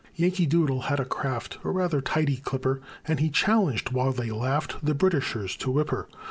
Yankee Doodle had a craft, A rather tidy clipper, And he challenged, while they laughed, The Britishers to whip her.